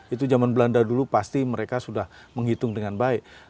itu zaman belanda dulu pasti mereka sudah menghitung dengan baik